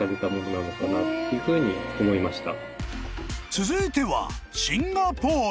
［続いては］